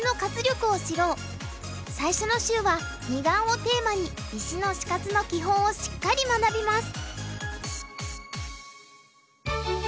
最初の週は二眼をテーマに石の死活の基本をしっかり学びます。